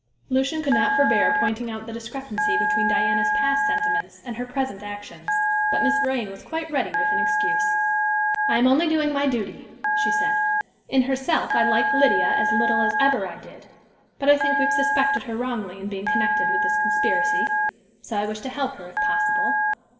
Lucian could not forbear pointing out the discrepancy between Diana's past sentiments and her present actions; but Miss Vrain was quite ready with an excuse. "I am only doing my duty," she said. "In herself I like Lydia as little as ever I did, but I think we have suspected her wrongly in being connected with this conspiracy, so I wish to help her if possible.